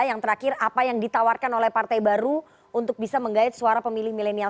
yang terakhir apa yang ditawarkan oleh partai baru untuk bisa menggait suara pemilih milenial